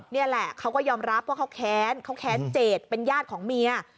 นี่แหละเขาก็ยอมรับว่าเขาแค้นเขาแค้นเจดเป็นญาติของเมีย